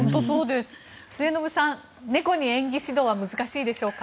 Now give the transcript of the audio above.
末延さん、猫に演技指導は難しいでしょうか。